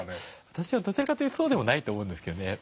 私はどちらかというとそうでもないと思うんですけどね。